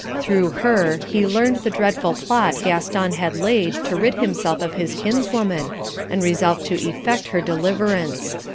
Through her he learned the dreadful plot Gaston had laid to rid himself of his kinswoman, and resolved to effect her deliverance.